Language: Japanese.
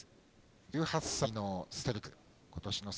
１８歳のステルクス。